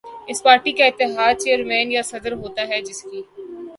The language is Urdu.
اس پارٹی یا اتحاد کا چیئرمین یا صدر ہوتا ہے جس کی